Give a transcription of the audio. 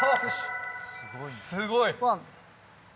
すごい。